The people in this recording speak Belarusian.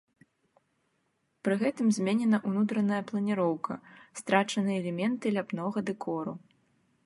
Пры гэтым зменена ўнутраная планіроўка, страчаны элементы ляпнога дэкору.